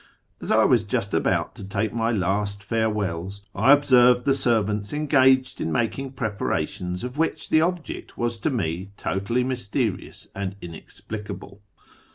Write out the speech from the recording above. As I was just about to take my last farewells, I observed the servants engaged in making preparations of wliich the object was to me totally mysterious and inexplicable.